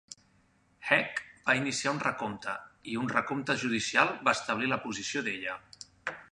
Haeck va iniciar un recompte i un recompte judicial va establir la posició d'ella.